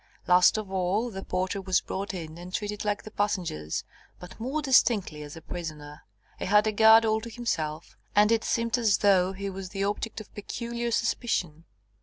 Last of all, the porter was brought in and treated like the passengers, but more distinctly as a prisoner. He had a guard all to himself; and it seemed as though he was the object of peculiar suspicion.